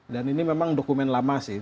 dan ini memang dokumen lama sih